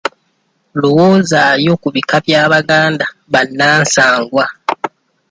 Lowoozaayo ku bika by'Abaganda bannansangwa.